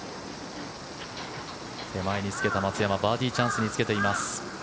手前につけた松山バーディーチャンスにつけています。